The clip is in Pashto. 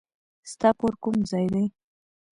ستا کور کوم ځای دی؟